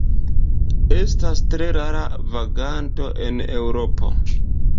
Estas tre rara vaganto en Eŭropo.